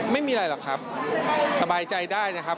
ไม่มีอะไรหรอกครับสบายใจได้นะครับ